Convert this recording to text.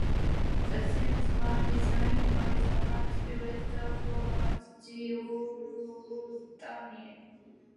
The sets were designed by the art director Robert Giordani.